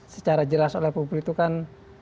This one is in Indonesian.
secara jelas oleh publik itu kan